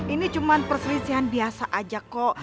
ini cuma perselisihan biasa aja kok